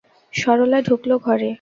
সরলা ঢুকল ঘরে।